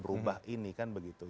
berubah ini kan begitu